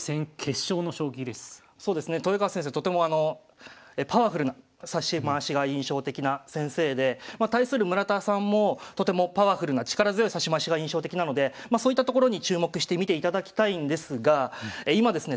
とてもパワフルな指し回しが印象的な先生で対する村田さんもとてもパワフルな力強い指し回しが印象的なのでそういったところに注目して見ていただきたいんですが今ですね